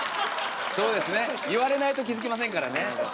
そうですね言われないと気付きませんからね。